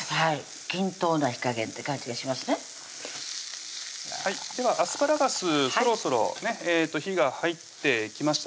均等な火加減って感じがしますねではアスパラガスそろそろね火が入ってきました